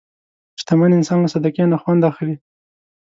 شتمن انسان له صدقې نه خوند اخلي.